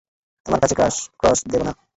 তোমার কাছে ক্রস দেবো না।